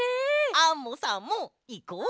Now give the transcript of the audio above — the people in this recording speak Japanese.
アンモさんもいこう。